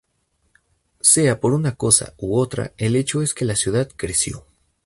Sea por una cosa u otra, el hecho es que la ciudad creció.